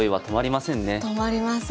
止まりません。